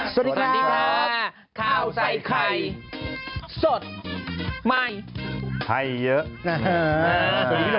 สวัสดีครับข้าวใส่ไข่สดใหม่ไข่เยอะ